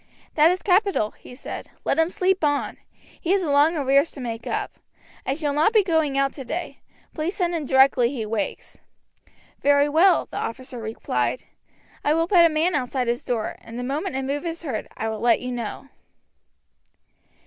"That is capital," he said. "Let him sleep on. He has a long arrears to make up. I shall not be going out today; please send in directly he wakes." "Very well," the officer replied. "I will put a man outside his door, and the moment a move is heard I will let you know."